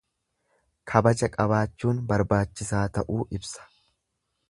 Kabaja qabaachuun barbaachisaa ta'uu ibsa.